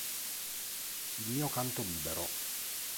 Il mio canto libero